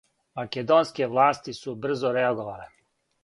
Македонске власти су брзо реаговале.